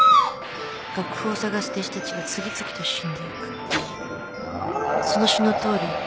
楽譜を捜す弟子たちが次々と死んで行くその詩の通り